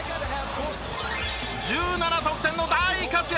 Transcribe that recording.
１７得点の大活躍。